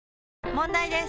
問題です！